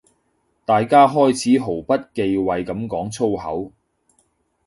大家開始毫不忌諱噉講粗口